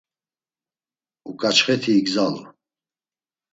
Uǩaçxeti igzalu.